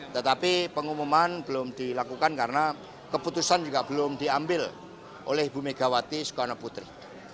tetapi pengumuman belum dilakukan karena keputusan juga belum diambil oleh ibu megawati soekarno putri